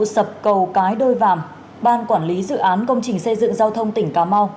sập cầu cái đôi vàm ban quản lý dự án công trình xây dựng giao thông tỉnh cà mau